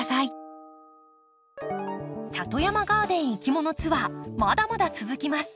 里山ガーデンいきものツアーまだまだ続きます。